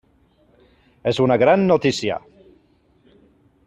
És una gran notícia.